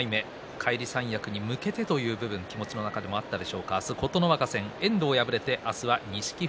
返り三役に向けてという部分気持ちの中にもあったでしょうか。